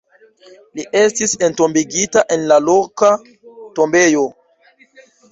Li estis entombigita en la loka tombejo.